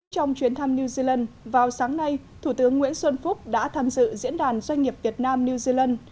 trong chuyến thăm new zealand vào sáng nay thủ tướng nguyễn xuân phúc đã tham dự diễn đàn doanh nghiệp việt nam new zealand